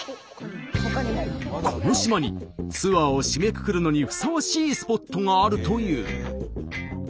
この島にツアーを締めくくるのにふさわしいスポットがあるという。